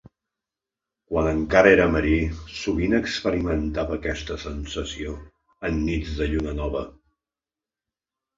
Quan encara era marí sovint experimentava aquesta sensació en nits de lluna nova.